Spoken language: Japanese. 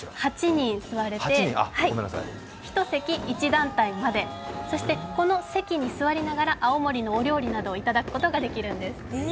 ８人座れて、１席１団体まで、そしてこの席に座りながら青森のお料理などをいただくことができるんです。